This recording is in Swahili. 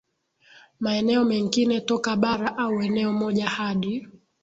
maeneo mengine toka bara au eneo moja hadi